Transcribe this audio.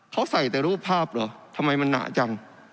เขาใส่แต่รูปภาพเหรอทำไมมันหนาจัง